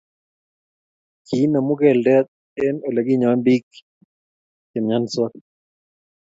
Kiinemu keldet eng ole kinyoen biik chepnyansot